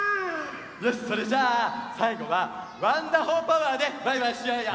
よしそれじゃあさいごは「ワンダホー☆パワー」でバイバイしようよ！